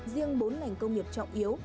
riêng bốn ngành công nghiệp trọng yếu